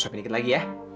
usapin dikit lagi ya